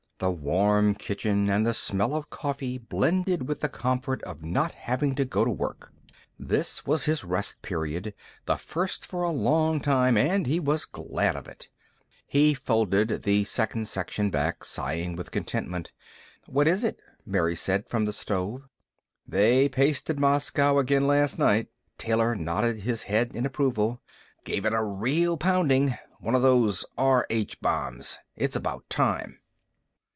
The warm kitchen and the smell of coffee blended with the comfort of not having to go to work. This was his Rest Period, the first for a long time, and he was glad of it. He folded the second section back, sighing with contentment. "What is it?" Mary said, from the stove. "They pasted Moscow again last night." Taylor nodded his head in approval. "Gave it a real pounding. One of those R H bombs. It's about time."